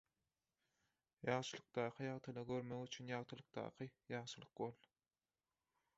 Ýagşylykdaky ýagtylygy görmek üçin ýagtylykdaky ýagşylyk bol.